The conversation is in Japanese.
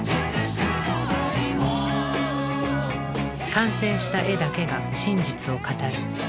完成した絵だけが真実を語る。